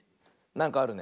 なんかあるね。